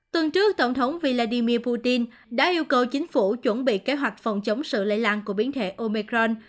tuần trước tổng thống vladimir putin đã yêu cầu chính phủ chuẩn bị kế hoạch phòng chống sự lây lan của biến thể omecron